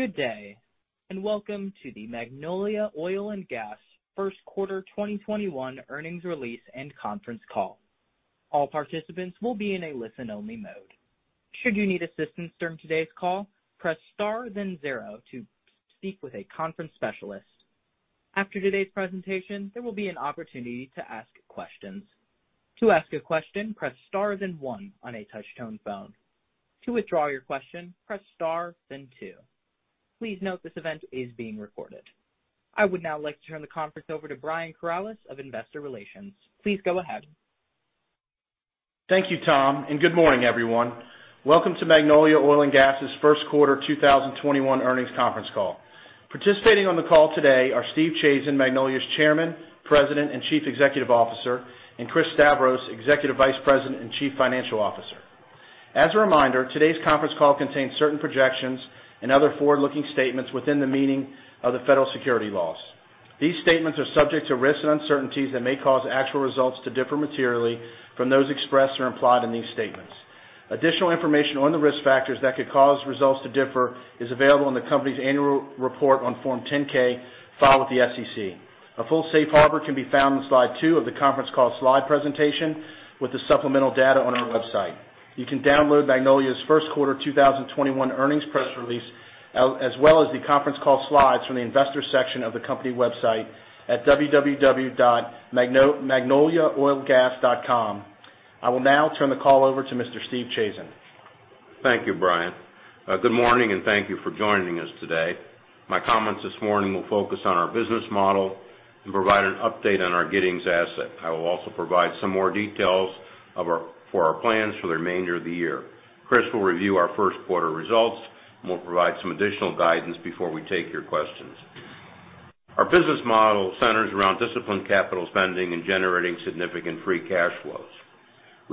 Good day and welcome to the Magnolia Oil & Gas' First Quarter 2021 Earnings Release and conference call. All participants will be in a listen-only mode. Should you need assistance during today's call, press star then zero to speak with a conference specialist. After today's presentation, there will be an opportunity to ask questions. To ask your question, press star then one on your touch-tone phone. To withdraw your question, press star then two. Please note that this event is being recorded. I would now like to turn the conference over to Brian Corales of Investor Relations. Please go ahead. Thank you, Tom. Good morning, everyone. Welcome to Magnolia Oil & Gas' first quarter 2021 earnings conference call. Participating on the call today are Steve Chazen, Magnolia's Chairman, President, and Chief Executive Officer, and Chris Stavros, Executive Vice President and Chief Financial Officer. As a reminder, today's conference call contains certain projections and other forward-looking statements within the meaning of the federal securities laws. These statements are subject to risks and uncertainties that may cause actual results to differ materially from those expressed or implied in these statements. Additional information on the risk factors that could cause results to differ is available in the company's annual report on Form 10-K filed with the SEC. A full safe harbor can be found on slide two of the conference call slide presentation with the supplemental data on our website. You can download Magnolia's first quarter 2021 earnings press release, as well as the conference call slides from the investor section of the company website at www.magnoliaoilgas.com. I will now turn the call over to Mr. Steve Chazen. Thank you, Brian. Good morning, and thank you for joining us today. My comments this morning will focus on our business model and provide an update on our Giddings asset. I will also provide some more details for our plans for the remainder of the year. Chris will review our first quarter results, and we'll provide some additional guidance before we take your questions. Our business model centers around disciplined capital spending and generating significant free cash flows.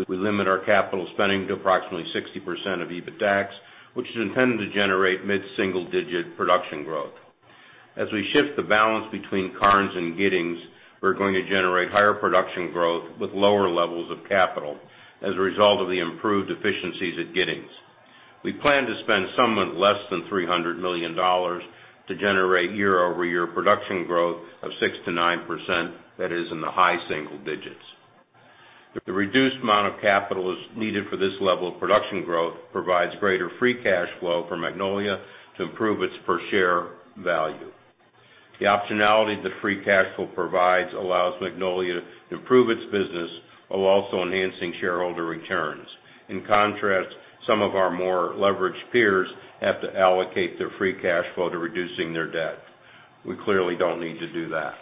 We limit our capital spending to approximately 60% of EBITDAX, which is intended to generate mid-single-digit production growth. As we shift the balance between Karnes and Giddings, we're going to generate higher production growth with lower levels of capital as a result of the improved efficiencies at Giddings. We plan to spend somewhat less than $300 million to generate year-over-year production growth of 6%-9%, that is in the high single digits. The reduced amount of capital that's needed for this level of production growth provides greater free cash flow for Magnolia to improve its per-share value. The optionality that free cash flow provides allows Magnolia to improve its business while also enhancing shareholder returns. In contrast, some of our more leveraged peers have to allocate their free cash flow to reducing their debt. We clearly don't need to do that.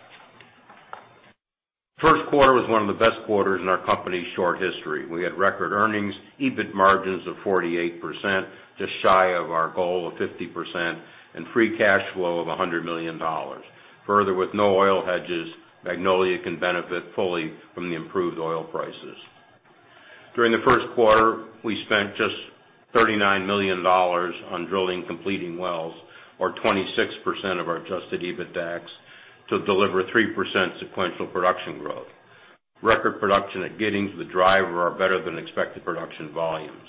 First quarter was one of the best quarters in our company's short history. We had record earnings, EBIT margins of 48%, just shy of our goal of 50%, and free cash flow of $100 million. Further, with no oil hedges, Magnolia can benefit fully from the improved oil prices. During the first quarter, we spent just $39 million on drilling and completing wells or 26% of our adjusted EBITDAX to deliver 3% sequential production growth. Record production at Giddings was the driver of our better-than-expected production volumes.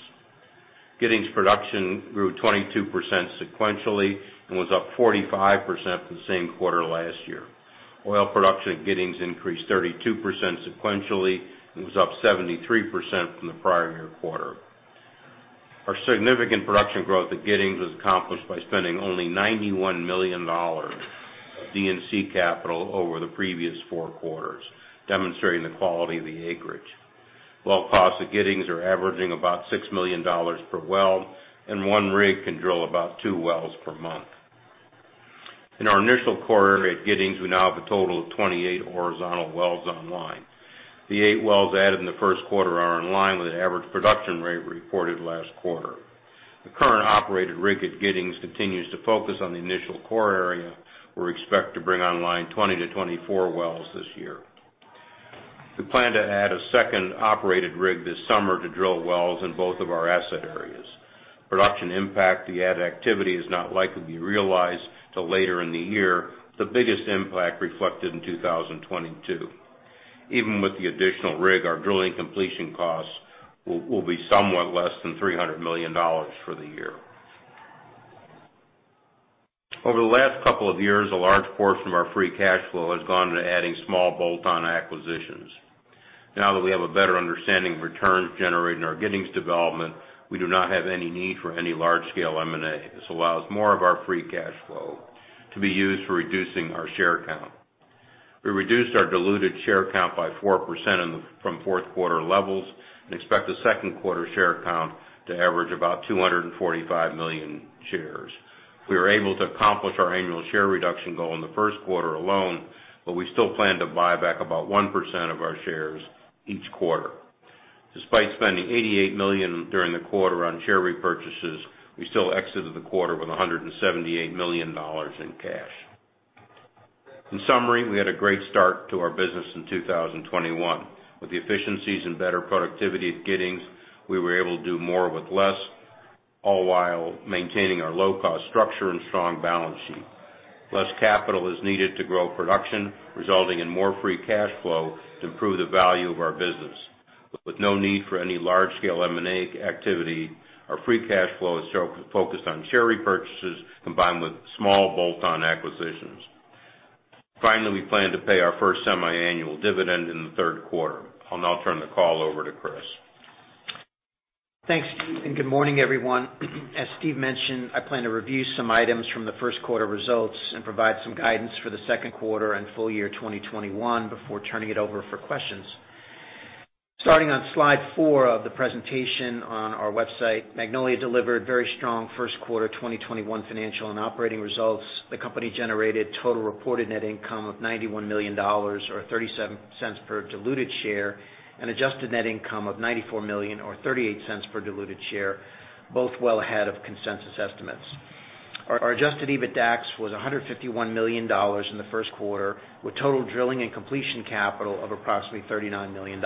Giddings production grew 22% sequentially and was up 45% from the same quarter last year. Oil production at Giddings increased 32% sequentially and was up 73% from the prior year quarter. Our significant production growth at Giddings was accomplished by spending only $91 million of D&C capital over the previous four quarters, demonstrating the quality of the acreage. Well costs at Giddings are averaging about $6 million per well, and one rig can drill about two wells per month. In our initial core area at Giddings, we now have a total of 28 horizontal wells online. The eight wells added in the first quarter are in line with the average production rate reported last quarter. The current operated rig at Giddings continues to focus on the initial core area. We're expected to bring online 20-24 wells this year. We plan to add a second operated rig this summer to drill wells in both of our asset areas. Production impact to the added activity is not likely to be realized till later in the year, with the biggest impact reflected in 2022. Even with the additional rig, our drilling completion costs will be somewhat less than $300 million for the year. Over the last couple of years, a large portion of our free cash flow has gone to adding small bolt-on acquisitions. Now that we have a better understanding of returns generated in our Giddings development, we do not have any need for any large-scale M&A. This allows more of our free cash flow to be used for reducing our share count. We reduced our diluted share count by 4% from fourth quarter levels and expect the second quarter share count to average about 245 million shares. We were able to accomplish our annual share reduction goal in the first quarter alone, but we still plan to buy back about 1% of our shares each quarter. Despite spending $88 million during the quarter on share repurchases, we still exited the quarter with $178 million in cash. In summary, we had a great start to our business in 2021. With the efficiencies and better productivity at Giddings, we were able to do more with less, all while maintaining our low-cost structure and strong balance sheet. Less capital is needed to grow production, resulting in more free cash flow to improve the value of our business. With no need for any large-scale M&A activity, our free cash flow is focused on share repurchases combined with small bolt-on acquisitions. Finally, we plan to pay our first semi-annual dividend in the third quarter. I'll now turn the call over to Chris. Thanks, Steve. Good morning, everyone. As Steve mentioned, I plan to review some items from the first quarter results and provide some guidance for the second quarter and full year 2021 before turning it over for questions. Starting on slide four of the presentation on our website, Magnolia delivered very strong first quarter 2021 financial and operating results. The company generated total reported net income of $91 million, or $0.37 per diluted share, and adjusted net income of $94 million or $0.38 per diluted share, both well ahead of consensus estimates. Our adjusted EBITDAX was $151 million in the first quarter, with total drilling and completion capital of approximately $39 million.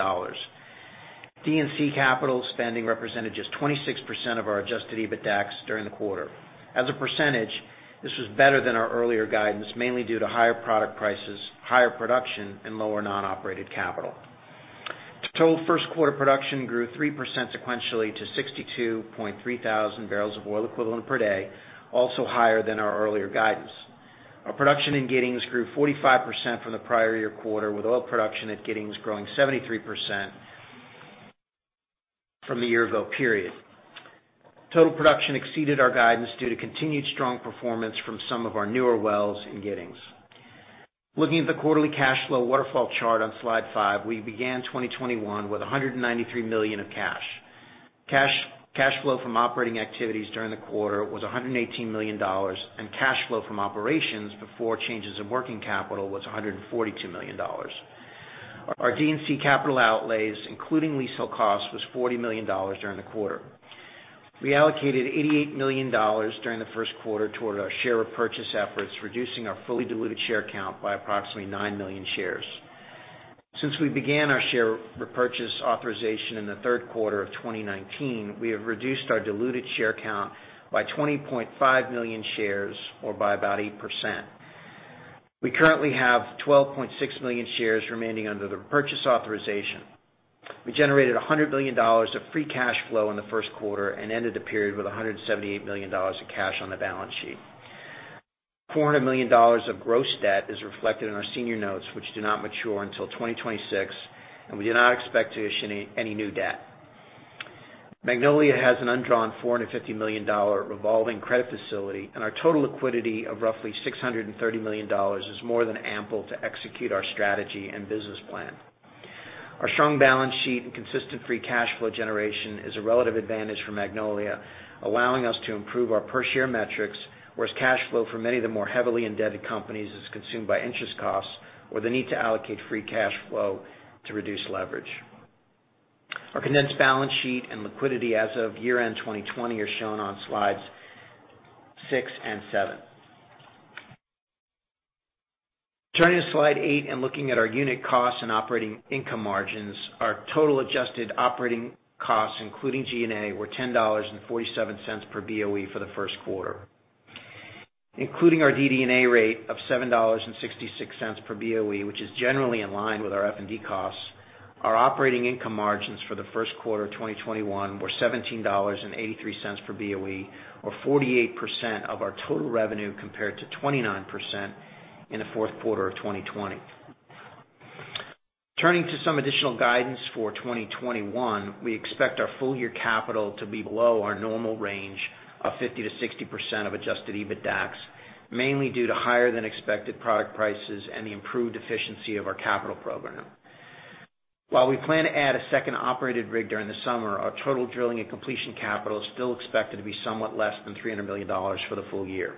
D&C capital spending represented just 26% of our adjusted EBITDAX during the quarter. As a percentage, this was better than our earlier guidance, mainly due to higher product prices, higher production, and lower non-operated capital. Total first-quarter production grew 3% sequentially to 62.3 thousand barrels of oil equivalent per day, also higher than our earlier guidance. Our production in Giddings grew 45% from the prior year quarter, with oil production at Giddings growing 73% from a year-ago period. Total production exceeded our guidance due to continued strong performance from some of our newer wells in Giddings. Looking at the quarterly cash flow waterfall chart on Slide five, we began 2021 with $193 million of cash. Cash flow from operating activities during the quarter was $118 million. Cash flow from operations before changes in working capital was $142 million. Our D&C capital outlays, including leasehold costs, was $40 million during the quarter. We allocated $88 million during the first quarter toward our share repurchase efforts, reducing our fully diluted share count by approximately nine million shares. Since we began our share repurchase authorization in the third quarter of 2019, we have reduced our diluted share count by 20.5 million shares, or by about 8%. We currently have 12.6 million shares remaining under the purchase authorization. We generated $100 million of free cash flow in the first quarter and ended the period with $178 million in cash on the balance sheet. $400 million of gross debt is reflected in our senior notes, which do not mature until 2026. We do not expect to issue any new debt. Magnolia has an undrawn $450 million revolving credit facility. Our total liquidity of roughly $630 million is more than ample to execute our strategy and business plan. Our strong balance sheet and consistent free cash flow generation is a relative advantage for Magnolia, allowing us to improve our per-share metrics, whereas cash flow for many of the more heavily indebted companies is consumed by interest costs or the need to allocate free cash flow to reduce leverage. Our condensed balance sheet and liquidity as of year-end 2020 are shown on slides six and seven. Turning to slide eight and looking at our unit costs and operating income margins, our total adjusted operating costs, including G&A, were $10.47 per BOE for the first quarter. Including our DD&A rate of $7.66 per BOE, which is generally in line with our F&D costs, our operating income margins for the first quarter 2021 were $17.83 per BOE, or 48% of our total revenue, compared to 29% in the fourth quarter of 2020. Turning to some additional guidance for 2021, we expect our full-year capital to be below our normal range of 50%-60% of adjusted EBITDAX, mainly due to higher-than-expected product prices and the improved efficiency of our capital program. While we plan to add a second operated rig during the summer, our total drilling and completion capital is still expected to be somewhat less than $300 million for the full year.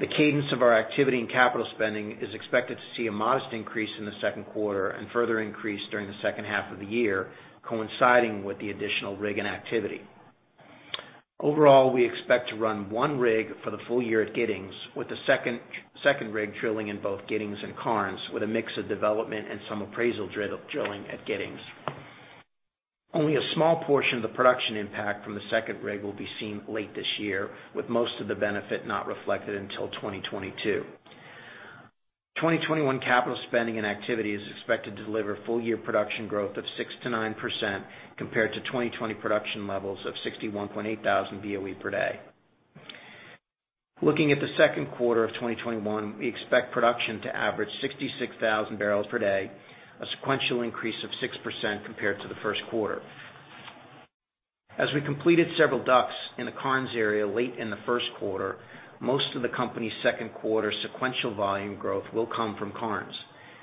The cadence of our activity and capital spending is expected to see a modest increase in the second quarter and further increase during the second half of the year, coinciding with the additional rig and activity. Overall, we expect to run one rig for the full year at Giddings, with the second rig drilling in both Giddings and Karnes, with a mix of development and some appraisal drilling at Giddings. Only a small portion of the production impact from the second rig will be seen late this year, with most of the benefit not reflected until 2022. 2021 capital spending and activity is expected to deliver full-year production growth of 6%-9% compared to 2020 production levels of 61.8 thousand BOE per day. Looking at the second quarter of 2021, we expect production to average 66,000 barrels per day, a sequential increase of 6% compared to the first quarter. As we completed several DUCs in the Karnes area late in the first quarter, most of the company's second quarter sequential volume growth will come from Karnes.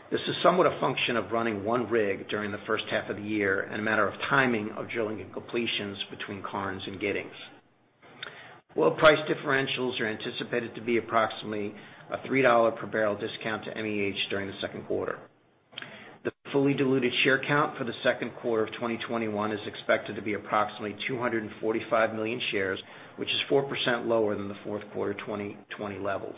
This is somewhat a function of running one rig during the first half of the year and a matter of timing of drilling and completions between Karnes and Giddings. Oil price differentials are anticipated to be approximately a $3 per barrel discount to MEH during the second quarter. The fully diluted share count for the second quarter of 2021 is expected to be approximately 245 million shares, which is 4% lower than the fourth quarter 2020 levels.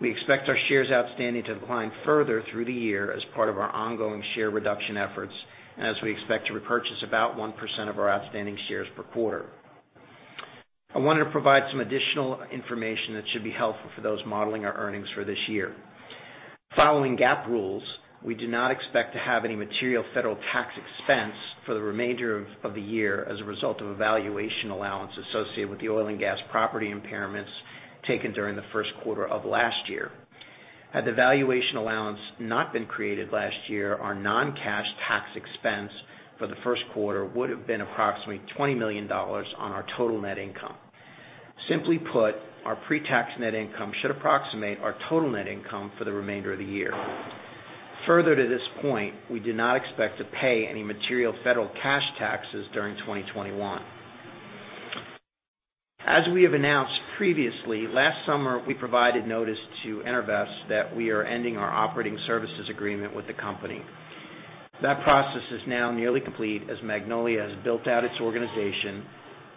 We expect our shares outstanding to decline further through the year as part of our ongoing share reduction efforts, as we expect to repurchase about 1% of our outstanding shares per quarter. I wanted to provide some additional information that should be helpful for those modeling our earnings for this year. Following GAAP rules, we do not expect to have any material federal tax expense for the remainder of the year as a result of a valuation allowance associated with the oil and gas property impairments taken during the first quarter of last year. Had the valuation allowance not been created last year, our non-cash tax expense for the first quarter would've been approximately $20 million on our total net income. Simply put, our pre-tax net income should approximate our total net income for the remainder of the year. Further to this point, we do not expect to pay any material federal cash taxes during 2021. As we have announced previously, last summer, we provided notice to EnerVest that we are ending our operating services agreement with the company. That process is now nearly complete, as Magnolia has built out its organization,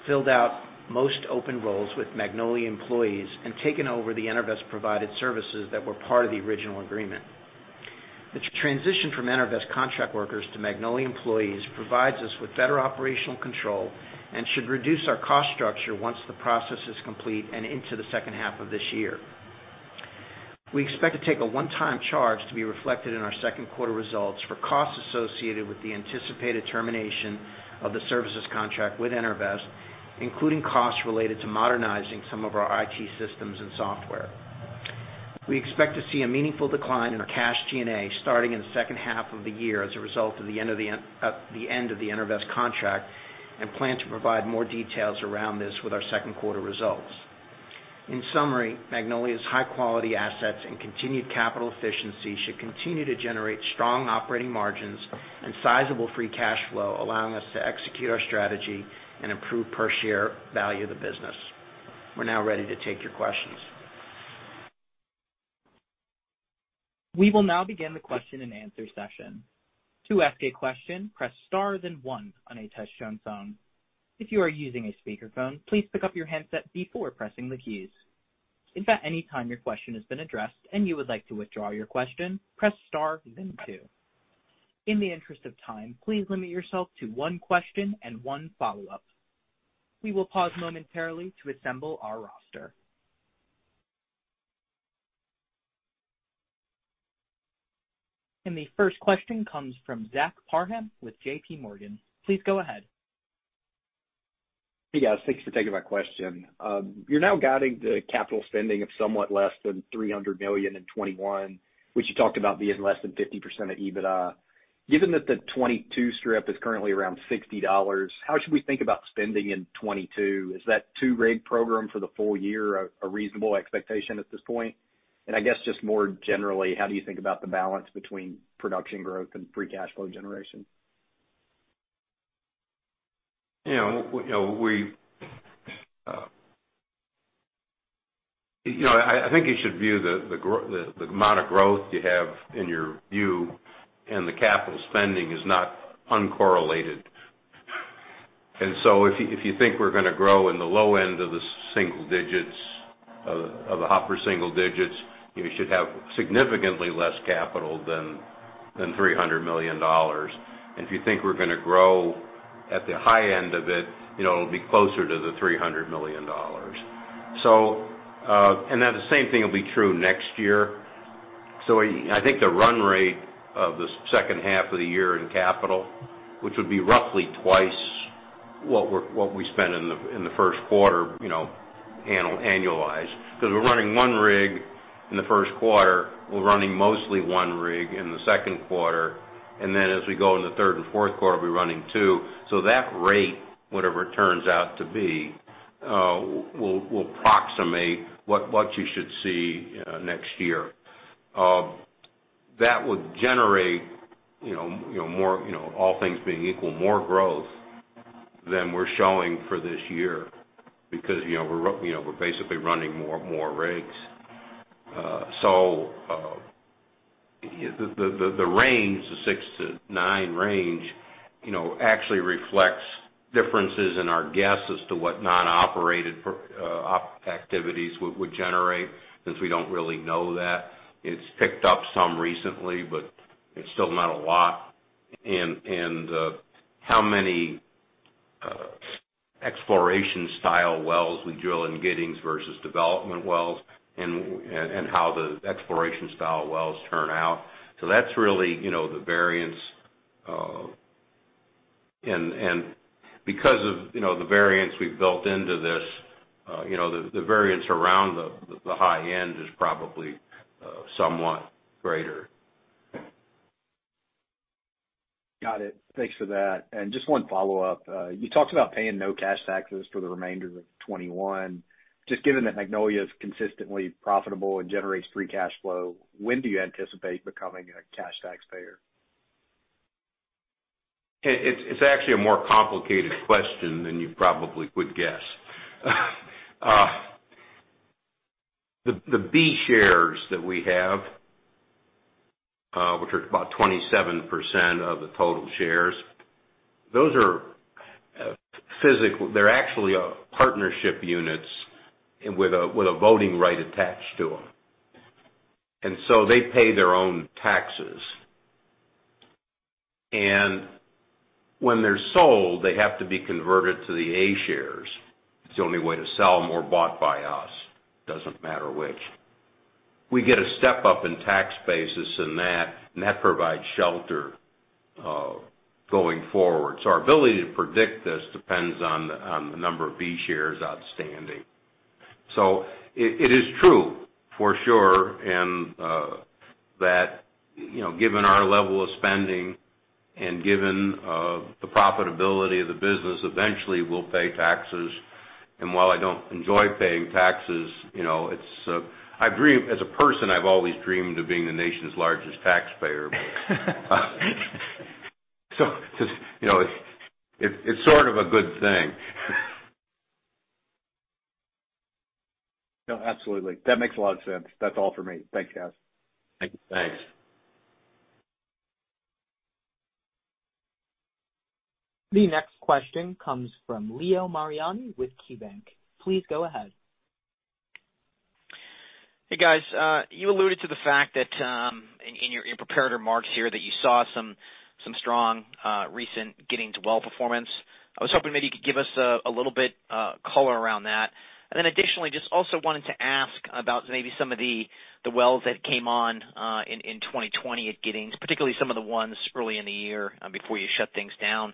filled out most open roles with Magnolia employees, and taken over the EnerVest-provided services that were part of the original agreement. The transition from EnerVest contract workers to Magnolia employees provides us with better operational control and should reduce our cost structure once the process is complete and into the second half of this year. We expect to take a one-time charge to be reflected in our second quarter results for costs associated with the anticipated termination of the services contract with EnerVest, including costs related to modernizing some of our IT systems and software. We expect to see a meaningful decline in our cash G&A starting in the second half of the year as a result of the end of the EnerVest contract, and plan to provide more details around this with our second quarter results. In summary, Magnolia's high-quality assets and continued capital efficiency should continue to generate strong operating margins and sizable free cash flow, allowing us to execute our strategy and improve per share value of the business. We are now ready to take your questions. We will now begin the question and answer session. To ask a question, press star, then one on a touch-tone phone. If you are using a speakerphone, please pick up your handset before pressing the keys. If at any time your question has been addressed and you would like to withdraw your question, press star, then two. In the interest of time, please limit yourself to one question and one follow-up. We will pause momentarily to assemble our roster. The first question comes from Zach Parham with JPMorgan. Please go ahead. Hey, guys. Thanks for taking my question. You're now guiding the capital spending of somewhat less than $300 million in 2021, which you talked about being less than 50% of EBITDA. Given that the 2022 strip is currently around $60, how should we think about spending in 2022? Is that two rig program for the full year a reasonable expectation at this point? I guess just more generally, how do you think about the balance between production growth and free cash flow generation? I think you should view the amount of growth you have in your view, the capital spending is not uncorrelated. If you think we're going to grow in the low end of the upper single digits, you should have significantly less capital than $300 million. If you think we're going to grow at the high end of it'll be closer to the $300 million. The same thing will be true next year. I think the run rate of the second half of the year in capital, which would be roughly twice what we spent in the first quarter annualized. Because we're running one rig in the first quarter, we're running mostly one rig in the second quarter, and then as we go in the third and fourth quarter, we'll be running two. That rate, whatever it turns out to be, will approximate what you should see next year. That would generate, all things being equal, more growth than we're showing for this year because we're basically running more rigs. The range, the 6%-9% range, actually reflects differences in our guess as to what non-operated activities would generate, since we don't really know that. It's picked up some recently, but it's still not a lot. How many exploration style wells we drill in Giddings versus development wells, and how the exploration style wells turn out. That's really the variance. Because of the variance we've built into this, the variance around the high end is probably somewhat greater. Got it. Thanks for that. Just one follow-up. You talked about paying no cash taxes for the remainder of 2021. Just given that Magnolia is consistently profitable and generates free cash flow, when do you anticipate becoming a cash taxpayer? It's actually a more complicated question than you probably would guess. The B shares that we have, which are about 27% of the total shares, those are actually partnership units with a voting right attached to them. They pay their own taxes When they're sold, they have to be converted to the A shares. It's the only way to sell them or bought by us, doesn't matter which. We get a step-up in tax basis in that, and that provides shelter going forward. Our ability to predict this depends on the number of B shares outstanding. It is true, for sure, that given our level of spending and given the profitability of the business, eventually we'll pay taxes. While I don't enjoy paying taxes, as a person, I've always dreamed of being the nation's largest taxpayer. It's sort of a good thing. No, absolutely. That makes a lot of sense. That's all for me. Thanks, guys. Thanks. The next question comes from Leo Mariani with KeyBanc. Please go ahead. Hey, guys. You alluded to the fact in your prepared remarks here that you saw some strong recent Giddings well performance. I was hoping maybe you could give us a little bit color around that. Additionally, just also wanted to ask about maybe some of the wells that came on in 2020 at Giddings, particularly some of the ones early in the year before you shut things down.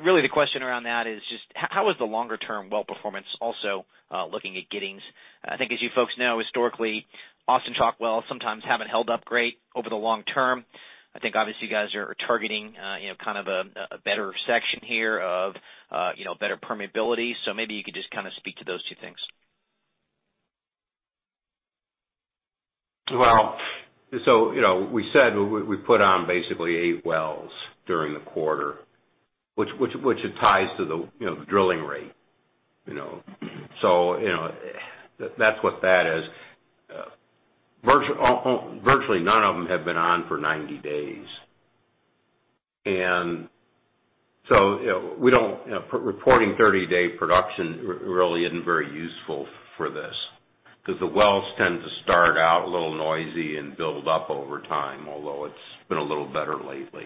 Really the question around that is just how is the longer-term well performance also looking at Giddings? I think as you folks know, historically, Austin Chalk wells sometimes haven't held up great over the long term. I think obviously you guys are targeting a better section here of better permeability. Maybe you could just speak to those two things. We said we put on basically eight wells during the quarter, which it ties to the drilling rate. That's what that is. Virtually none of them have been on for 90 days, reporting 30-day production really isn't very useful for this because the wells tend to start out a little noisy and build up over time, although it's been a little better lately.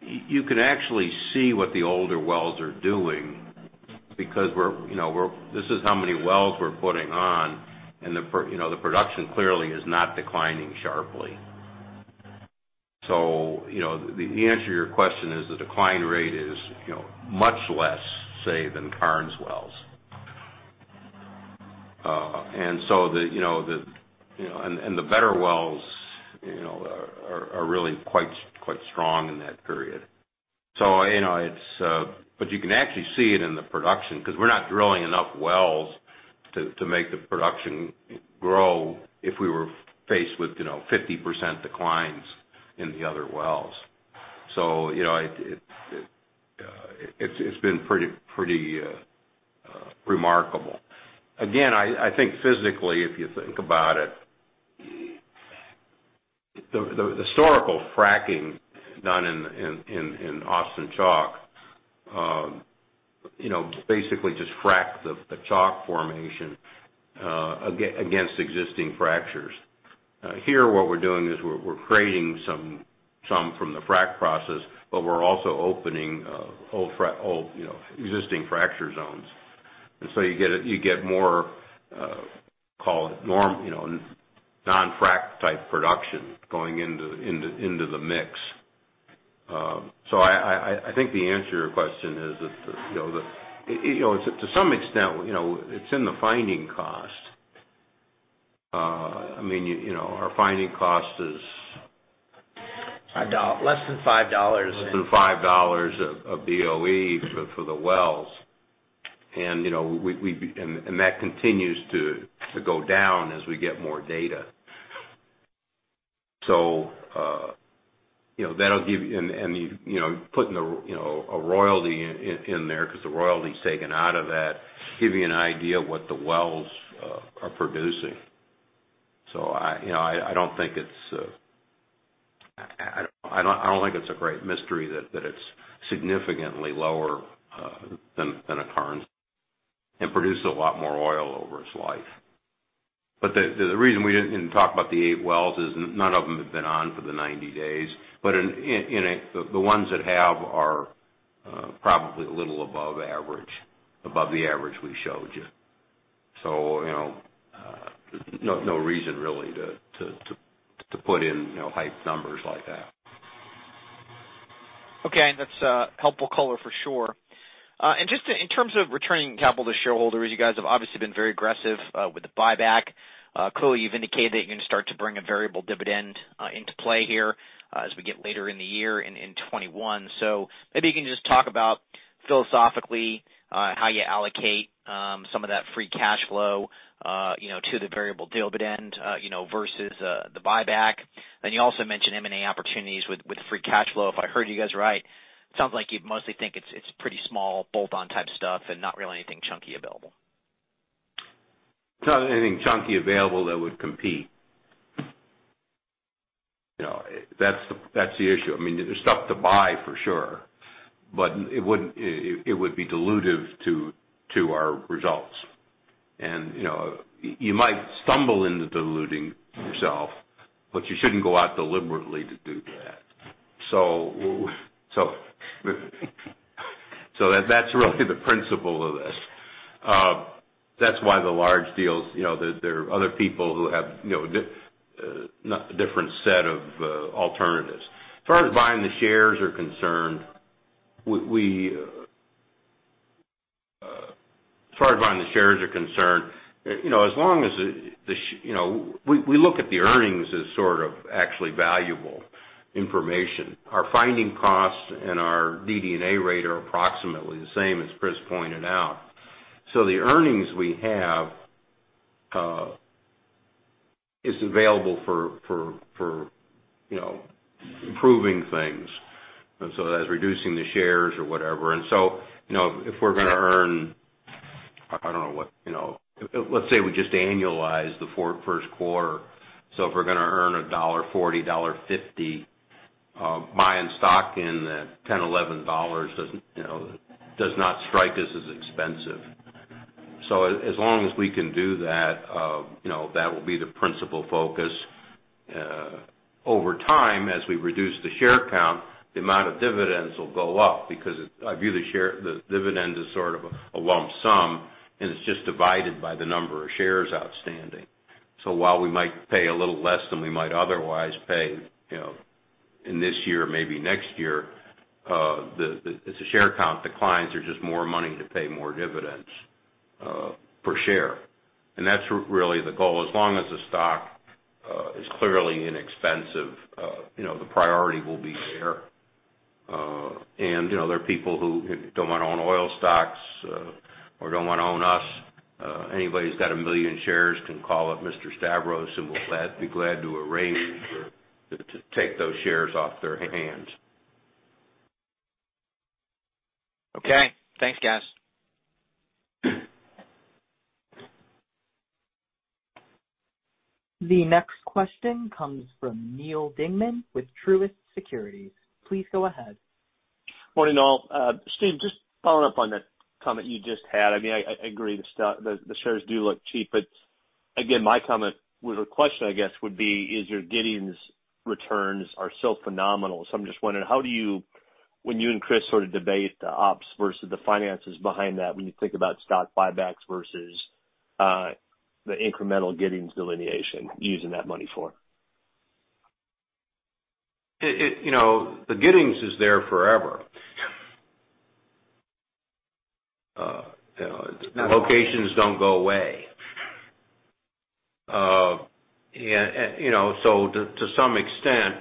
You can actually see what the older wells are doing because this is how many wells we're putting on, and the production clearly is not declining sharply. The answer to your question is the decline rate is much less, say, than Karnes wells. The better wells are really quite strong in that period. You can actually see it in the production because we're not drilling enough wells to make the production grow if we were faced with 50% declines in the other wells. It's been pretty remarkable. Again, I think physically, if you think about it, the historical fracking done in Austin Chalk basically just fracked the chalk formation against existing fractures. Here what we're doing is we're creating some from the frack process, but we're also opening old existing fracture zones. You get more non-frack type production going into the mix. I think the answer to your question is that to some extent, it's in the finding cost. Our finding cost is Less than $5. Less than $5 of BOE for the wells. That continues to go down as we get more data. Putting a royalty in there, because the royalty's taken out of that, give you an idea of what the wells are producing. I don't think it's a great mystery that it's significantly lower than a Karnes and produced a lot more oil over its life. The reason we didn't talk about the eight wells is none of them have been on for the 90 days. The ones that have are probably a little above the average we showed you. No reason really to put in hyped numbers like that. Okay. That's helpful color for sure. Just in terms of returning capital to shareholders, you guys have obviously been very aggressive with the buyback. Clearly, you've indicated that you're going to start to bring a variable dividend into play here as we get later in the year in 2021. Maybe you can just talk about philosophically how you allocate some of that free cash flow to the variable dividend versus the buyback. You also mentioned M&A opportunities with free cash flow, if I heard you guys right. Sounds like you mostly think it's pretty small bolt-on type stuff and not really anything chunky available. Not anything chunky available that would compete. That's the issue. There's stuff to buy for sure, but it would be dilutive to our results. You might stumble into diluting yourself, but you shouldn't go out deliberately to do that. That's really the principle of this. That's why the large deals, there are other people who have a different set of alternatives. As far as buying the shares are concerned, we look at the earnings as sort of actually valuable information. Our finding costs and our DD&A rate are approximately the same as Chris pointed out. The earnings we have is available for improving things, and so that's reducing the shares or whatever. If we're going to earn, I don't know what. Let's say we just annualize the first quarter, so if we're going to earn a $1.40, $1.50, buying stock in the $10, $11 does not strike us as expensive. As long as we can do that will be the principal focus. Over time, as we reduce the share count, the amount of dividends will go up because I view the dividend as sort of a lump sum, and it's just divided by the number of shares outstanding. While we might pay a little less than we might otherwise pay, in this year, maybe next year, as the share count declines, there's just more money to pay more dividends per share. That's really the goal. As long as the stock is clearly inexpensive, the priority will be there. There are people who don't want to own oil stocks, or don't want to own us. Anybody who's got 1 million shares can call up Mr. Stavros, and we'll be glad to arrange to take those shares off their hands. Okay. Thanks, guys. The next question comes from Neal Dingmann with Truist Securities. Please go ahead. Morning, all. Steve, just following up on that comment you just had. I agree the shares do look cheap. Again, my comment with a question, I guess, would be is your Giddings returns are so phenomenal. I'm just wondering, when you and Chris sort of debate the ops versus the finances behind that, when you think about stock buybacks versus the incremental Giddings delineation, using that money for? The Giddings is there forever. Locations don't go away. To some extent,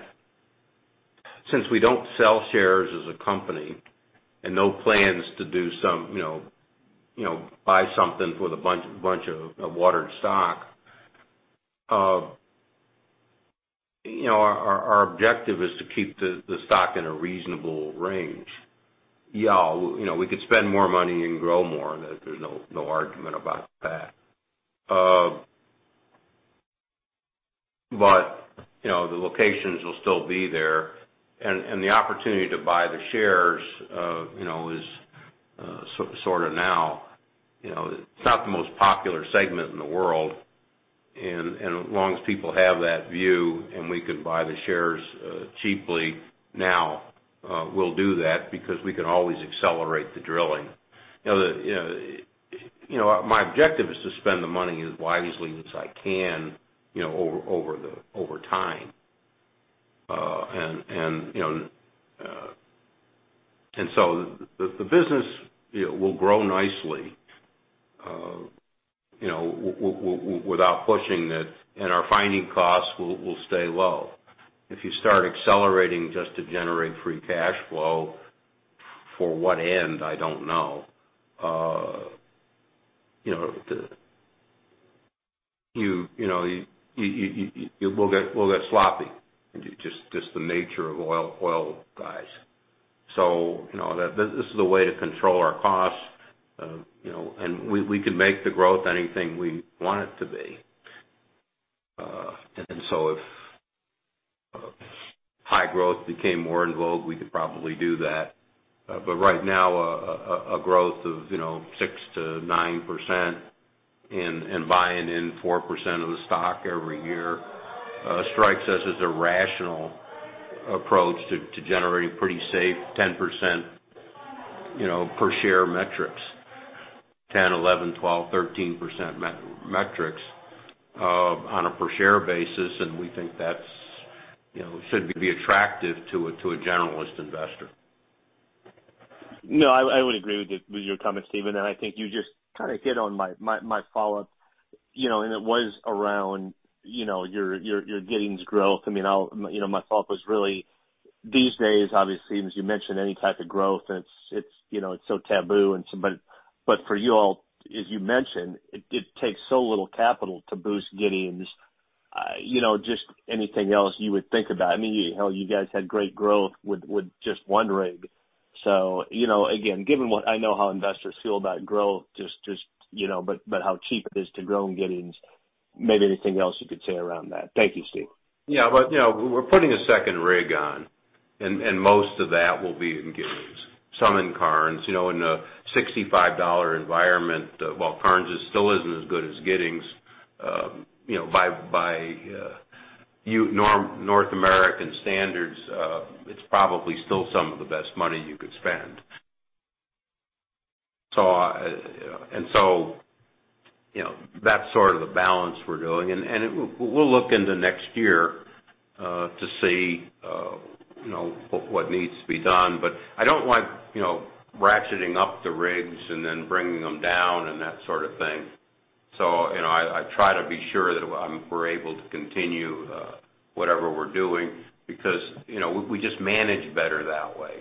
since we don't sell shares as a company and no plans to do some, buy something with a bunch of watered stock, our objective is to keep the stock in a reasonable range. We could spend more money and grow more, there's no argument about that. The locations will still be there, and the opportunity to buy the shares is sort of now. It's not the most popular segment in the world, and as long as people have that view and we can buy the shares cheaply now, we'll do that because we can always accelerate the drilling. My objective is to spend the money as wisely as I can over time. The business will grow nicely without pushing it, and our finding costs will stay low. If you start accelerating just to generate free cash flow, for what end? I don't know. We'll get sloppy, just the nature of oil guys. This is a way to control our costs, and we can make the growth anything we want it to be. If high growth became more in vogue, we could probably do that. Right now, a growth of 6%-9% and buying in 4% of the stock every year strikes us as a rational approach to generating pretty safe 10% per share metrics, 10%, 11%, 12%, 13% metrics on a per share basis, and we think that should be attractive to a generalist investor. No, I would agree with your comment, Steve, and I think you just hit on my follow-up, and it was around your Giddings growth. My thought was really these days, obviously, as you mentioned, any type of growth and it's so taboo. For you all, as you mentioned, it takes so little capital to boost Giddings. Just anything else you would think about. You guys had great growth with just one rig. Again, given what I know how investors feel about growth, but how cheap it is to grow in Giddings. Maybe anything else you could say around that. Thank you, Steve. Yeah. We're putting a second rig on, and most of that will be in Giddings. Some in Karnes. In a $65 environment, while Karnes still isn't as good as Giddings, by North American standards, it's probably still some of the best money you could spend. That's sort of the balance we're doing. We'll look into next year to see what needs to be done. I don't like ratcheting up the rigs and then bringing them down and that sort of thing. I try to be sure that we're able to continue whatever we're doing because we just manage better that way.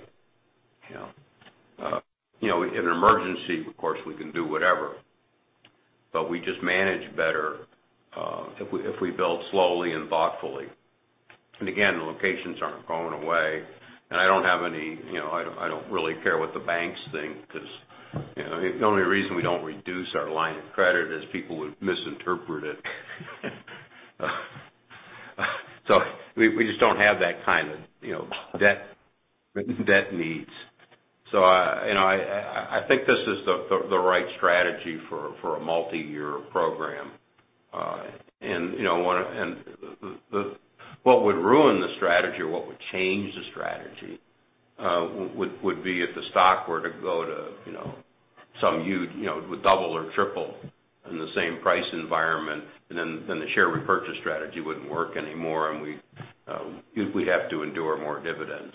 In an emergency, of course, we can do whatever, but we just manage better if we build slowly and thoughtfully. Again, the locations aren't going away. I don't really care what the banks think, because the only reason we don't reduce our line of credit is people would misinterpret it. We just don't have that kind of debt needs. I think this is the right strategy for a multi-year program. What would ruin the strategy or what would change the strategy would be if the stock were to go to some huge It would double or triple in the same price environment, and then the share repurchase strategy wouldn't work anymore, and we'd have to endure more dividends.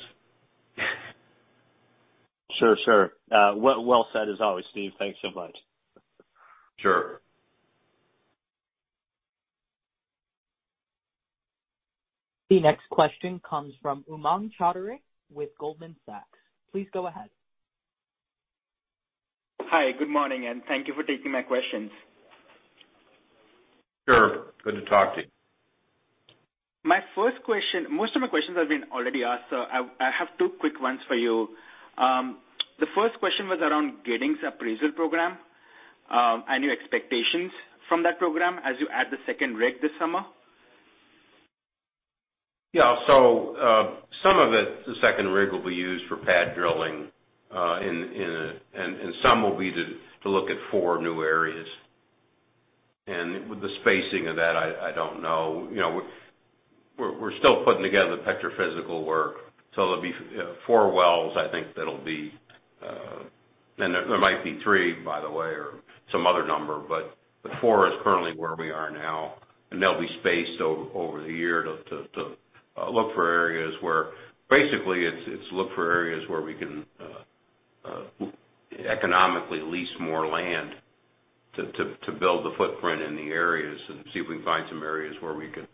Sure. Well said as always, Steve. Thanks so much. Sure. The next question comes from Umang Choudhary with Goldman Sachs. Please go ahead. Hi, good morning, and thank you for taking my questions. Sure. Good to talk to you. Most of my questions have been already asked, so I have two quick ones for you. The first question was around Giddings appraisal program, and your expectations from that program as you add the second rig this summer. Yeah. Some of it, the second rig will be used for pad drilling, and some will be to look at four new areas. The spacing of that, I don't know. We're still putting together the petrophysical work, so there'll be four wells, I think that'll be and there might be three, by the way, or some other number, but the four is currently where we are now, and they'll be spaced over the year to look for areas where. Basically, it's look for areas where we can economically lease more land to build the footprint in the areas and see if we can find some areas where we can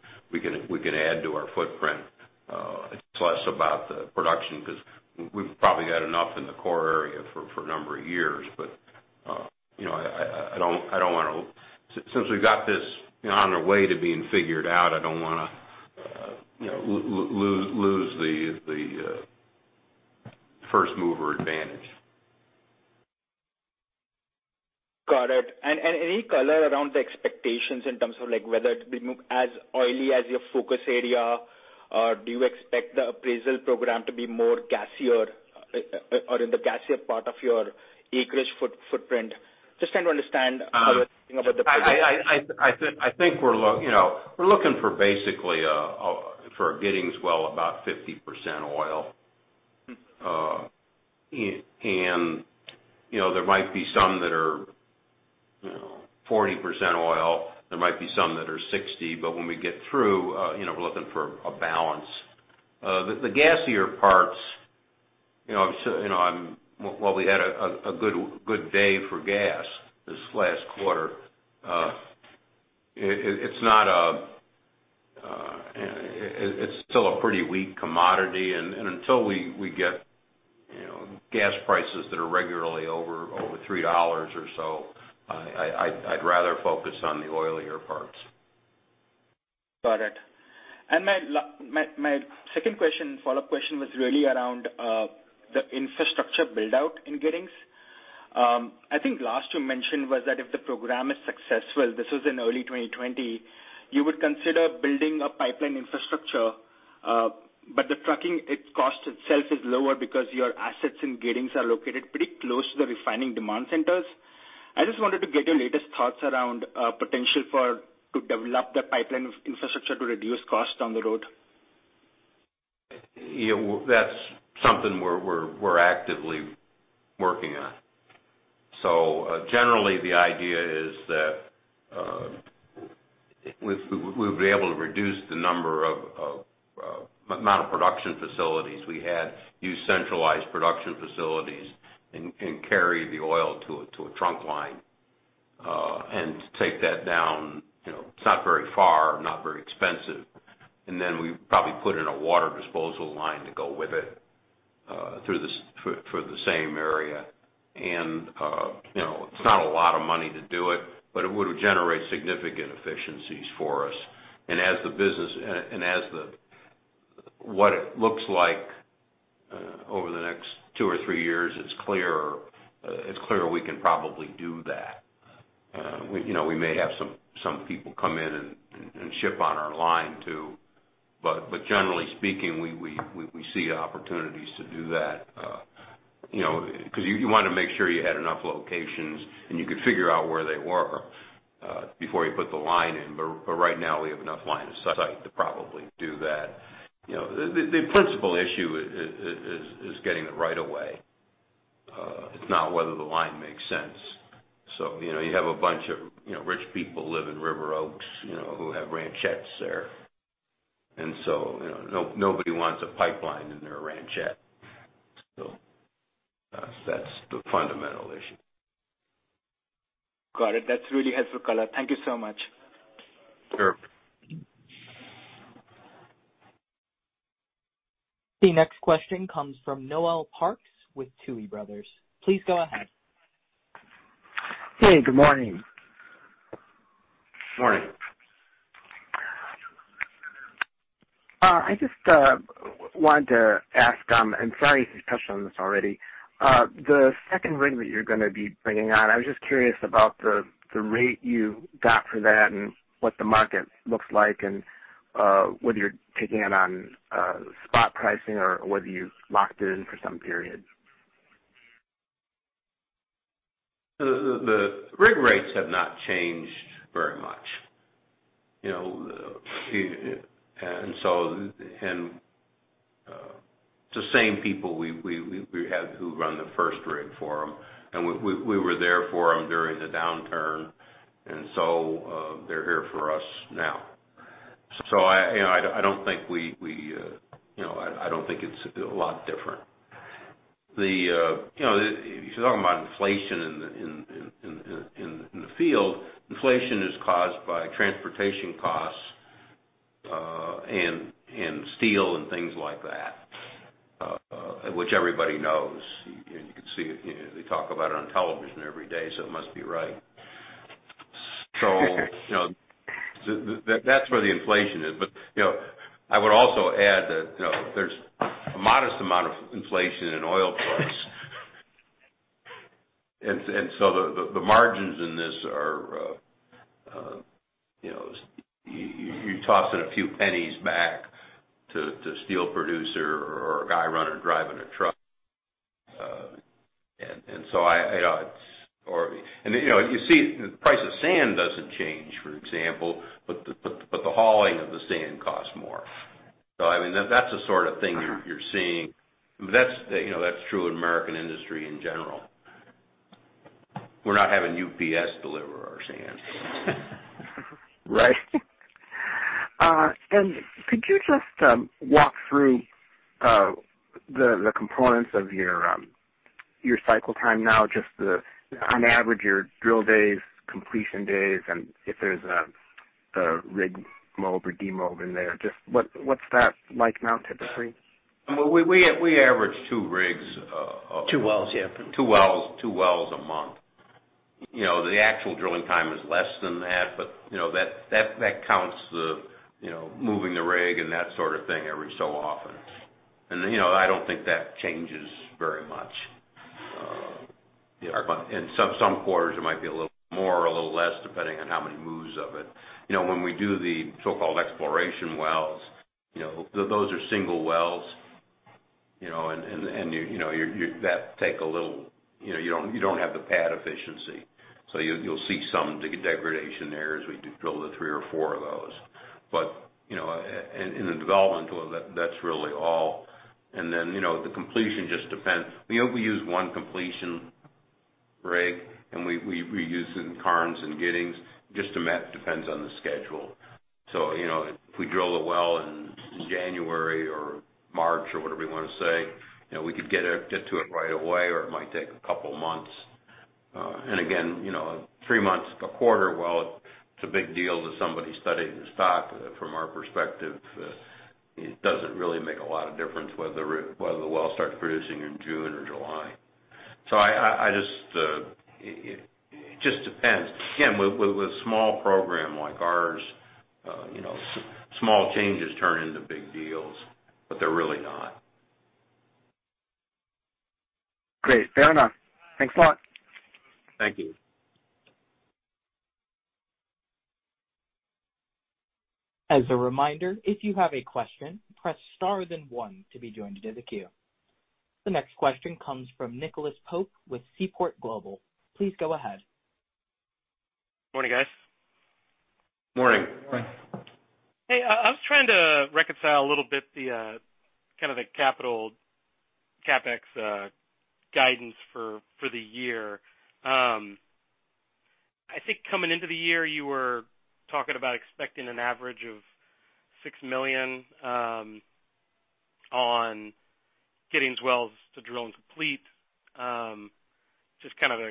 add to our footprint. It's less about the production because we've probably got enough in the core area for a number of years. Since we've got this on our way to being figured out, I don't want to lose the first-mover advantage. Got it. Any color around the expectations in terms of whether it'll be as oily as your focus area, or do you expect the appraisal program to be more gassier or in the gassier part of your acreage footprint? Just trying to understand how you're thinking about the program. I think we're looking for basically for a Giddings well about 50% oil. There might be some that are 40% oil, there might be some that are 60, but when we get through, we're looking for a balance. The gassier parts, while we had a good day for gas this last quarter, it's still a pretty weak commodity. Until we get gas prices that are regularly over $3 or so, I'd rather focus on the oilier parts. Got it. My second question, follow-up question, was really around the infrastructure build-out in Giddings. I think last you mentioned was that if the program is successful, this was in early 2020, you would consider building a pipeline infrastructure. The trucking cost itself is lower because your assets in Giddings are located pretty close to the refining demand centers. I just wanted to get your latest thoughts around potential to develop the pipeline infrastructure to reduce costs down the road. Yeah. That's something we're actively working on. Generally, the idea is that we would be able to reduce the amount of production facilities we had, use centralized production facilities, and carry the oil to a trunk line, and take that down. It's not very far, not very expensive. Then we probably put in a water disposal line to go with it for the same area. It's not a lot of money to do it, but it would generate significant efficiencies for us. What it looks like over the next two or three years, it's clear we can probably do that. We may have some people come in and ship on our line too. Generally speaking, we see opportunities to do that. You want to make sure you had enough locations, and you could figure out where they were before you put the line in. Right now, we have enough line of sight to probably do that. The principal issue is getting it right away. It's not whether the line makes sense. You have a bunch of rich people live in River Oaks who have ranchettes there. Nobody wants a pipeline in their ranchette. That's the fundamental issue. Got it. That's really helpful color. Thank you so much. Sure. The next question comes from Noel Parks with Tuohy Brothers. Please go ahead. Hey, good morning. Morning. I just wanted to ask, and sorry if you touched on this already. The second rig that you're going to be bringing on, I was just curious about the rate you got for that and what the market looks like, and whether you're taking it on spot pricing or whether you locked it in for some period. The rig rates have not changed very much. It's the same people we had who run the first rig for them, we were there for them during the downturn, they're here for us now. I don't think it's a lot different. If you're talking about inflation in the field, inflation is caused by transportation costs and steel and things like that, which everybody knows. You could see it. They talk about it on television every day, it must be right. That's where the inflation is. I would also add that there's a modest amount of inflation in oil price. The margins in this are You're tossing a few pennies back to steel producer or a guy running, driving a truck. You see the price of sand doesn't change, for example, the hauling of the sand costs more. I mean, that's the sort of thing you're seeing. That's true in American industry in general. We're not having UPS deliver our sand. Right. Could you just walk through the components of your cycle time now, just on average, your drill days, completion days, and if there's a rig mob or demob in there, just what's that like now, typically? We average two rigs. Two wells, yeah. Two wells a month. The actual drilling time is less than that, but that counts the moving the rig and that sort of thing every so often. I don't think that changes very much. Yeah. In some quarters, it might be a little more or a little less, depending on how many moves of it. When we do the so-called exploration wells, those are single wells, and you don't have the pad efficiency, so you'll see some degradation there as we drill the three or four of those. In a development well, that's really all. The completion just depends. We use one completion rig, and we use it in Karnes and Giddings, just depends on the schedule. If we drill a well in January or March or whatever you want to say, we could get to it right away, or it might take a couple of months. Three months, a quarter well, it's a big deal to somebody studying the stock. From our perspective, it doesn't really make a lot of difference whether the well starts producing in June or July. It just depends. Again, with a small program like ours, small changes turn into big deals, but they're really not. Great. Fair enough. Thanks a lot. Thank you. As a reminder, if you have a question, press star then one to be joined into the queue. The next question comes from Nicholas Pope with Seaport Global. Please go ahead. Morning, guys. Morning. Morning. Hey, I was trying to reconcile a little bit the capital CapEx guidance for the year. I think coming into the year, you were talking about expecting an average of $6 million on getting these wells to drill and complete. Just a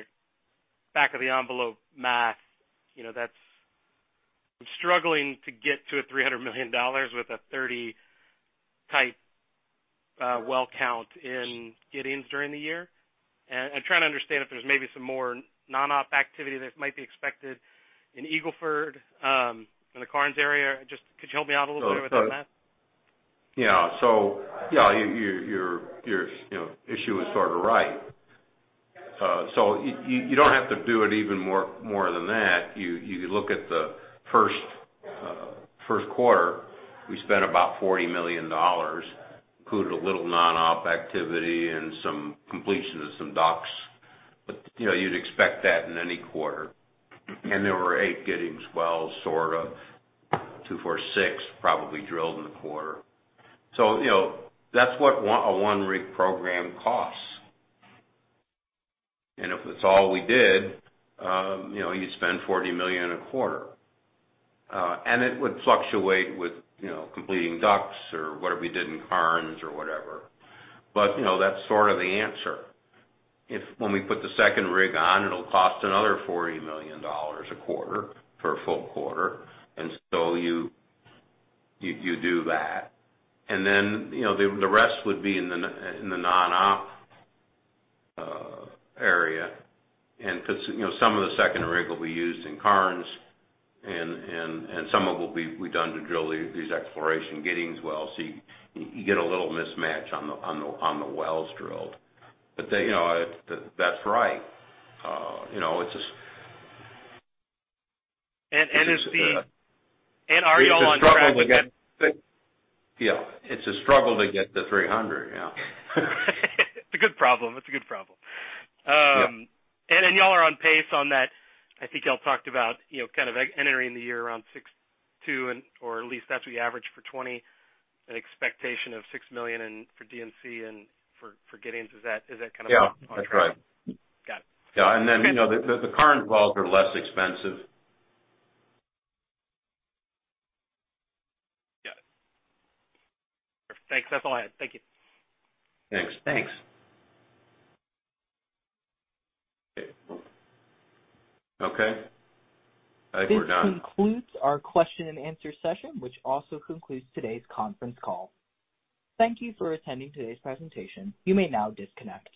back of the envelope math, I'm struggling to get to a $300 million with a 30 type well count in Giddings during the year? I'm trying to understand if there's maybe some more non-op activity that might be expected in Eagle Ford, in the Karnes area. Just could you help me out a little bit with that, math? Yeah. Your issue is sort of right. You don't have to do it even more than that. You look at the first quarter, we spent about $40 million, included a little non-op activity and some completion of some DUCs. You'd expect that in any quarter. There were eight Giddings wells, sort of 246 probably drilled in the quarter. That's what a one-rig program costs. If it's all we did, you'd spend $40 million a quarter. It would fluctuate with completing DUCs or what we did in Karnes or whatever. That's sort of the answer. If when we put the second rig on, it'll cost another $40 million a quarter for a full quarter. You do that. The rest would be in the non-op area. Because some of the second rig will be used in Karnes and some of it will be done to drill these exploration Giddings wells. You get a little mismatch on the wells drilled. That's right. Are you all on track? Yeah. It's a struggle to get to 300, yeah. It's a good problem. Yeah. You all are on pace on that I think y'all talked about entering the year around 6.2, or at least that's what you averaged for 2020, an expectation of $6 million for D&C and for Giddings. Is that? Yeah. That's right. Got it. Yeah. Then the Karnes wells are less expensive. Got it. Thanks. That's all I had. Thank you. Thanks. Okay. I think we're done. This concludes our question and answer session, which also concludes today's conference call. Thank you for attending today's presentation. You may now disconnect.